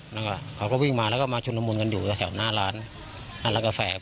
แล้วก็เขาก็วิ่งมาแล้วก็มาชุนรมูลกันอยู่แถวหน้าร้านนี้หน้าร้านกาแฟครับ